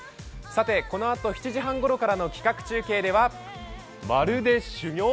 このあと７時半ごろからの企画中継では、まるで修行？